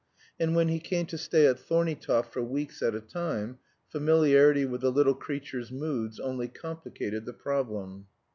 And when he came to stay at Thorneytoft for weeks at a time, familiarity with the little creature's moods only complicated the problem.